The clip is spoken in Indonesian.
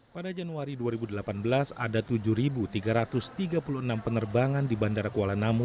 pada januari dua ribu delapan belas ada tujuh tiga ratus tiga puluh enam penerbangan di bandara kuala namu